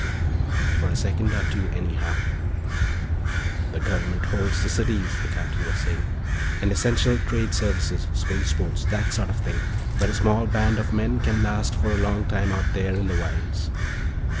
For a second or two, anyhow. "The Government holds the cities," the Captain was saying, "and essential trade services spaceports, that sort of thing. But a small band of men can last for a long time out there in the wilds."